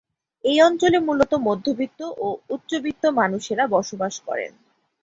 এই অঞ্চলে মূলত মধ্যবিত্ত ও উচ্চবিত্ত মানুষেরা বসবাস করেন।